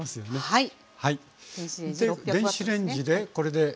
はい。